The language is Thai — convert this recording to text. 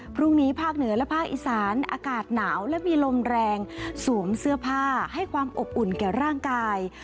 ภาคเหนือและภาคอีสานอากาศหนาวและมีลมแรงสวมเสื้อผ้าให้ความอบอุ่นแก่ร่างกาย